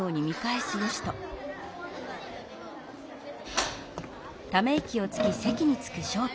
はあ。